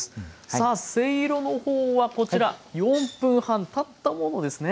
さあせいろのほうはこちら４分半たったものですね。